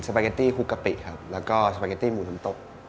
สปาเก็ตตี้ครูกกะปีครับแล้วก็สปาเก็ตตี้หมูทะมตรก